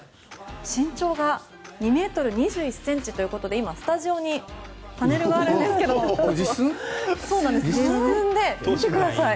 身長が２ｍ２１ｃｍということで今、スタジオにパネルがありますが実寸で、見てください